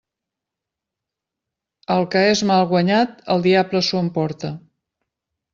El que és mal guanyat el diable s'ho emporta.